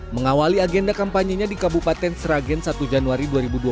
mengawali agenda kampanye nya di kabupaten sragen satu januari dua ribu dua puluh empat